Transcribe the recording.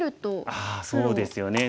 ああそうですよね。